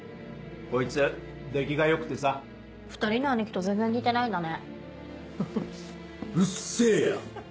こいつ出来が良くてさ２人の兄貴とは全然似てないんだね